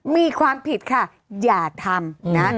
มีความผิดค่ะอย่าทำนะ